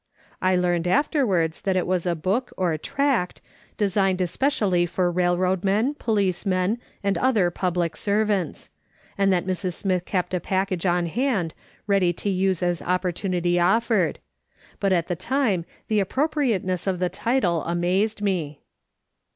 I learned afterwards that it was a book, or tract, designed especially for railroad men, policemen, and other public servants ; and that Mrs. Smith kept a package on hand, ready to use as opportunity offered; but at the time the appropriateness of the title amazed me.